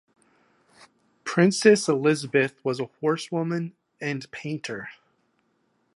Princess Elisabeth was a horsewoman and painter.